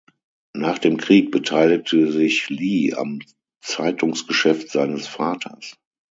Nach dem Krieg beteiligte sich Lee am Zeitungsgeschäft seines Vaters.